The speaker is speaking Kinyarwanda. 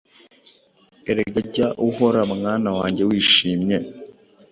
Erega jya uhora mwana wanjye wishimye.